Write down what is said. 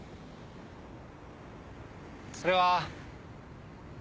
それは。